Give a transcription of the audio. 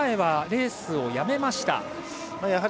レースをやめましたね。